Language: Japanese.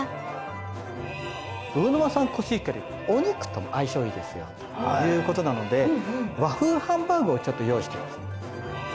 魚沼産コシヒカリお肉と相性いいですよということなので和風ハンバーグをちょっと用意してます。